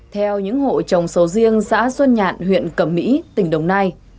theo những hộ trồng sầu riêng xã xuân nhạn huyện cẩm mỹ tỉnh đồng nai